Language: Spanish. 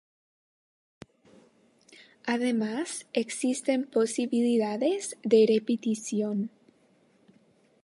Además, existen posibilidades de repetición.